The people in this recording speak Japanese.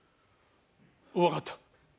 わかった。